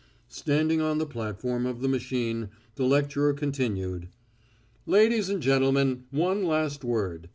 Standing on the platform of the machine, the lecturer continued: "Ladies and gentlemen, one last word.